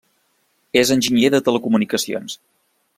És enginyer de telecomunicacions.